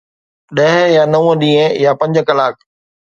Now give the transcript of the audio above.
ڏهه يا نو ڏينهن يا پنج ڪلاڪ؟